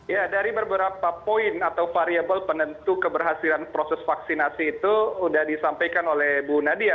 ya dari beberapa poin atau variable penentu keberhasilan proses vaksinasi itu sudah disampaikan oleh bu nadia